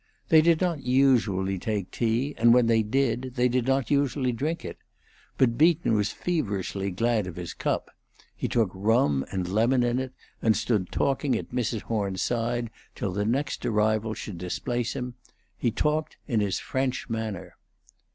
They did not usually take tea, and when they did they did not usually drink it; but Beaton was feverishly glad of his cup; he took rum and lemon in it, and stood talking at Mrs. Horn's side till the next arrival should displace him: he talked in his French manner.